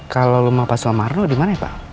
kalau rumah pak semarno dimana ya pak